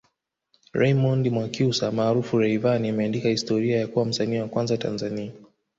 Raymond Mwakyusa maarufu Rayvanny ameandika historia ya kuwa msanii wa kwanza Tanzania